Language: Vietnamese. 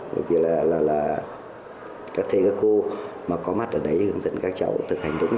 bởi vì là các thầy cô có mặt ở đấy hướng dẫn các cháu thực hành đúng